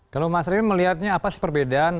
kalau mas rian melihatnya apa sih perbedaan